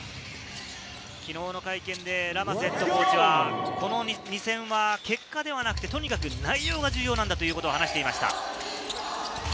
昨日の会見でラマスヘッドコーチは、この２戦は結果ではなくてとにかく内容が大事なんだと話していました。